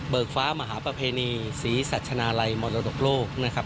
เบิกฟ้ามหาประเพณีศรีสัชนาลัยมรดกโลก